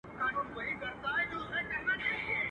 بیا حملې سوې د بازانو شاهینانو.